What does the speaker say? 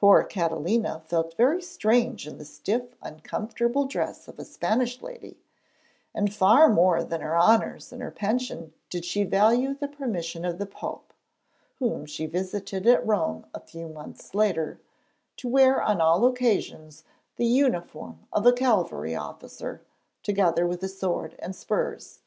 Poor Catalina felt very strange in the stiff uncomfortable dress of a Spanish lady, and far more than her honours and her pension did she value the permission of the Pope (whom she visited at Rome a few months later) to wear on all occasions the uniform of a cavalry officer, together with a sword and spurs.